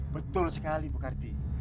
betul sekali bukardi